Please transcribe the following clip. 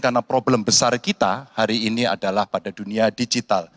karena problem besar kita hari ini adalah pada dunia digital